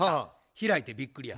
開いてびっくりや。